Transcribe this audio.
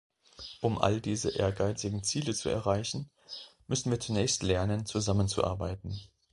Um all diese ehrgeizigen Ziele zu erreichen, müssen wir zunächst lernen, zusammenzuarbeiten.